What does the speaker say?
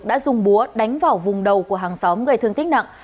đã dùng búa đánh vào vùng đầu của hàng xóm gây thương tích nặng